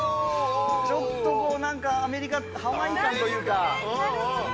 ちょっとこう、なんかアメリカのハワイ感というか。